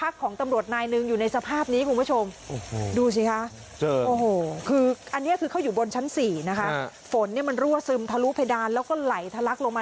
สวนนี้คือเขาอยู่บนชั้นสี่นะคะฝนนี่มันรั่วซึมทะลุเพดานแล้วก็ไหลทะลักลงมา